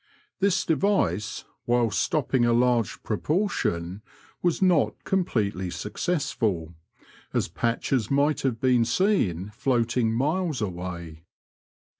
This device, whilst stopping a large proportion, was not completely successful, as patches might have been seen floating miles away.